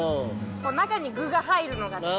中に具が入るのが好き。